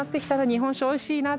日本酒おいしいな。